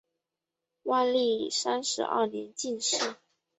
万历三十二年进士。